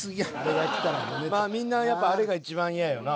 まあみんなやっぱあれがいちばん嫌よな。